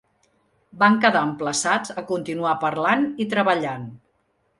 Vam quedar emplaçats a continuar parlant i treballant.